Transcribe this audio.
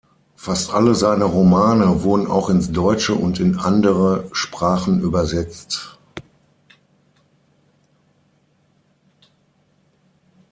Fast alle seine Romane wurden auch ins Deutsche und in andere Sprachen übersetzt.